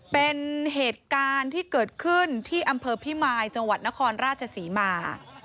เป็นเหตุการณ์ที่เกิดขึ้นที่อำเภอพิมายจังหวัดนครราชศรีมา